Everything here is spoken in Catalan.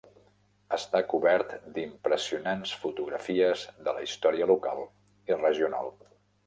Està cobert d'impressionants fotografies de la història local i regional.